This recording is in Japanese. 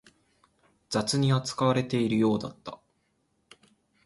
雑に扱われているようだった